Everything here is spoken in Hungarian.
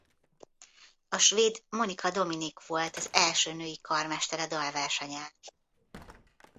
A svéd Monica Dominique volt az első női karmester a dalversenyen.